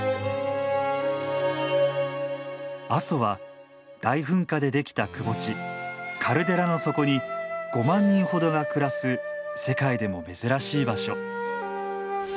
阿蘇は大噴火で出来たくぼ地カルデラの底に５万人ほどが暮らす世界でも珍しい場所。